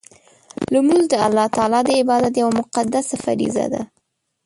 لمونځ د الله تعالی د عبادت یوه مقدسه فریضه ده.